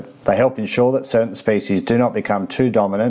mereka membantu memastikan spesies tidak menjadi terlalu dominan